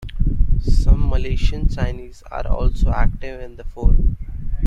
Some Malaysian Chinese are also active in the forum.